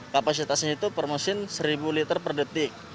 kapasitasnya itu per mesin seribu liter per detik